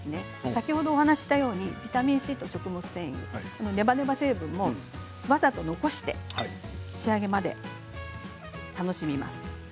先ほどお話ししたようにビタミンＣと食物繊維ネバネバ成分を残して仕上げまで楽しみます。